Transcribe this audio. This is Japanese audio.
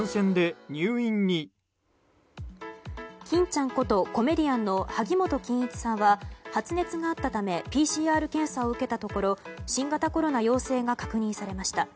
欽ちゃんことコメディアンの萩本欽一さんは発熱があったためＰＣＲ検査を受けたところ新型コロナ陽性が確認されました。